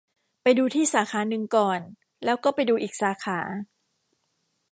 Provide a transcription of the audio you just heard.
ไปดูที่สาขานึงก่อน แล้วก็ไปดูอีกสาขา